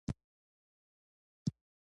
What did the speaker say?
د غوښې زیات خوراک د بدن وزن زیاتوي.